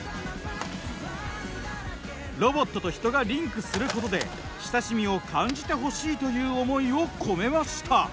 ロボットと人がリンクすることで親しみを感じてほしいという思いを込めました。